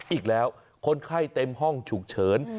อีกแล้วคนไข้เต็มห้องฉุกเฉิน